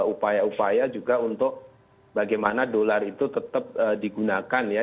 upaya upaya juga untuk bagaimana dolar itu tetap digunakan ya